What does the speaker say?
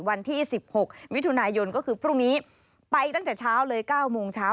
วันที่สิบหกวิทยุนายนก็คือพรุ่งนี้ไปตั้งแต่เช้าเลยเก้ามงเช้า